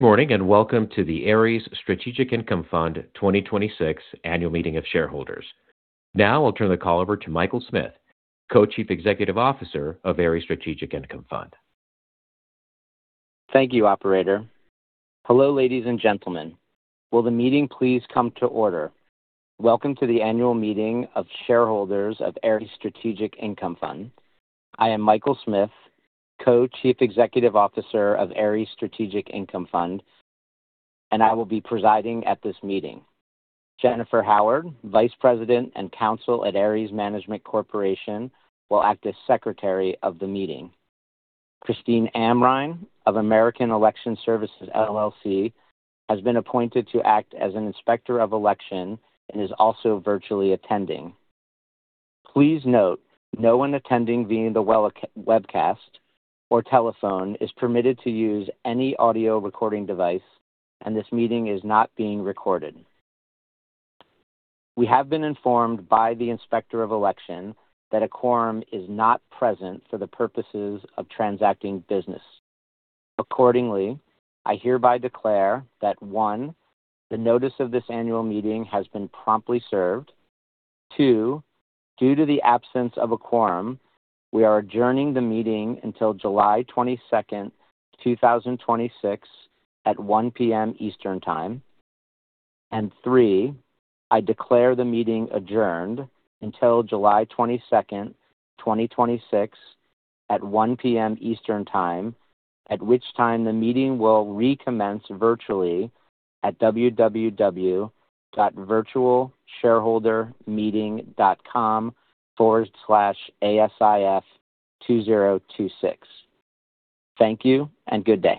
Good morning, welcome to the Ares Strategic Income Fund 2026 Annual Meeting of Shareholders. Now I'll turn the call over to Michael Smith, Co-Chief Executive Officer of Ares Strategic Income Fund. Thank you, operator. Hello, ladies and gentlemen. Will the meeting please come to order? Welcome to the Annual Meeting of Shareholders of Ares Strategic Income Fund. I am Michael Smith, Co-Chief Executive Officer of Ares Strategic Income Fund, and I will be presiding at this meeting. Jennifer Howard, Vice President and Counsel at Ares Management Corporation, will act as Secretary of the meeting. Christine Amrhein of American Election Services, LLC has been appointed to act as an Inspector of Election and is also virtually attending. Please note, no one attending via the webcast or telephone is permitted to use any audio recording device, and this meeting is not being recorded. We have been informed by the Inspector of Election that a quorum is not present for the purposes of transacting business. Accordingly, I hereby declare that, one, the notice of this annual meeting has been promptly served. Two, due to the absence of a quorum, we are adjourning the meeting until July 22nd, 2026 at 1:00 P.M. Eastern time. Three, I declare the meeting adjourned until July 22nd, 2026 at 1:00 P.M. Eastern time, at which time the meeting will recommence virtually at www.virtualshareholdermeeting.com/ASIF2026. Thank you and good day.